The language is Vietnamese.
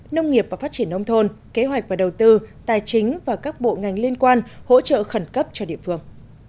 nông nghiệp và phát triển nông thôn kế hoạch và đầu tư tài chính và các bộ ngành liên quan hỗ trợ khẩn cấp cho địa phương